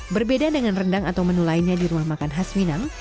berbeda dengan rendang atau menu lainnya di rumah makan khas minang